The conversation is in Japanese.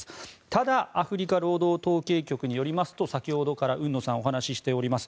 ただアメリカ労働統計局によりますと先ほどから海野さんがお話ししております